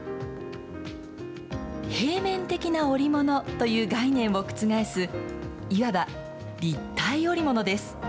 平面的な織物という概念を覆す、いわば、立体織物です。